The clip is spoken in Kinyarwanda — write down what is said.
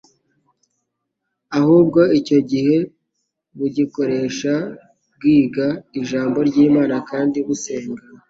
ahubwo icyo gihe bugikoresha bwiga Ijambo ry'Imana kandi busenga.